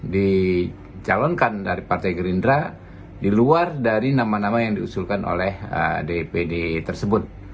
dicalonkan dari partai gerindra di luar dari nama nama yang diusulkan oleh dpd tersebut